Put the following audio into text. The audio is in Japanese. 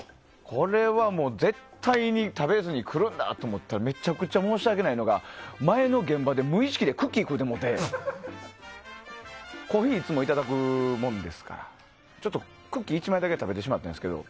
これはもう、絶対に食べずに来るんだと思ってめちゃくちゃ申し訳ないのが前の現場で無意識でクッキー食うてもうてコーヒーをいつもいただくもんですからちょっと、クッキー１枚だけ食べてしまったんですけど。